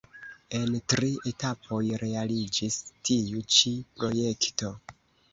En tri etapoj realiĝis tiu ĉi projekto.